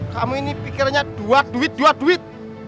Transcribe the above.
kamu ini pikirannya dua duit dua duit